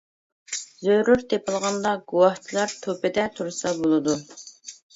زۆرۈر تېپىلغاندا، گۇۋاھچىلار تۆپىدە تۇرسا بولىدۇ.